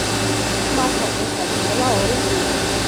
ქმართან ერთად ეყოლა ორი შვილი.